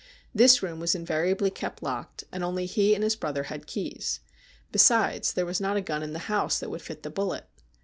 This room was invariably kept locked, and only he and his brother had keys. Besides, there was not a gun in the house that would fit the bullet.